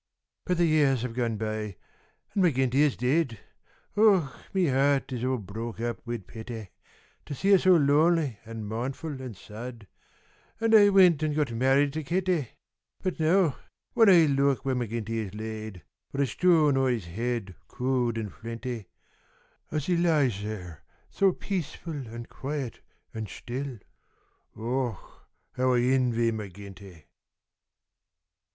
But the years have gone by, an' McGinty is dead! Och! me heart was all broke up wid pity To see her so lonely, an' mournful, an' sad, An' I wint an' got married to Kitty! But now, whin I look where McGinty is laid, Wid a shtone o'er his head cowld an' flinty As he lies there so peaceful, an' quoiet, an' shtill Och! how I invy McGinty.